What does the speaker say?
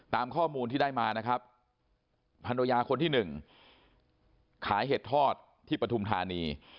ตามข้อมูลที่ได้มานะครับพันรยาคนที่หนึ่งขายเห็ดทอดที่ปฐุมธานี